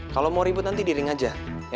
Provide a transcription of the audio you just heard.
kalo mau ribut nanti di ring aja